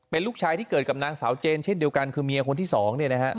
เป็นลูกชายที่เกิดกับนางสาวเจนเช่นเดียวกันคือเมียคนที่สองเนี่ยนะฮะ